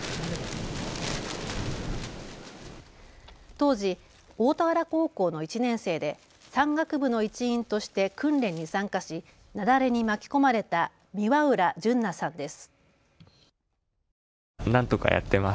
当時、大田原高校の１年生で山岳部の一員として訓練に参加し雪崩に巻き込まれた三輪浦淳和さんです。